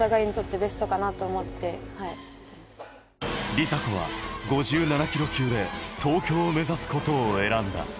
梨紗子は５７ｋｇ級で東京を目指すことを選んだ。